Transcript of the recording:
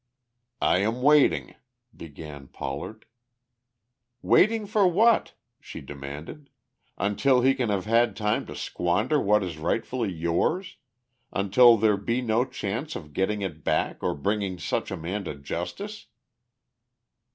"I am waiting," began Pollard. "Waiting for what?" she demanded. "Until he can have had time to squander what is rightfully yours, until there be no chance of getting it back or bringing such a man to justice!"